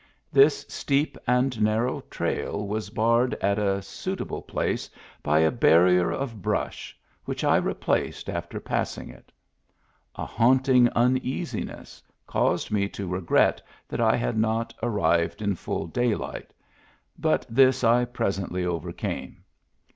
This steep and narrow trail was barred at a suitable place by a barrier of brush, which I replaced after passing it A haunting uneasiness caused me to regret that I had not arrived in full daylight, but this I pres ently overcame.